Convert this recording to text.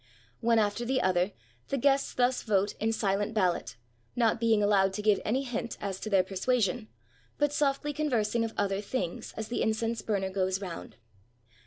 One after the other the guests thus vote in silent ballot, not being allowed to give any hint as to their persuasion, but softly convers ing of other things as the incense burner goes round.